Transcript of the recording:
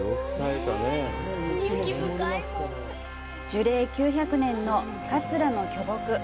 樹齢９００年のカツラの巨木。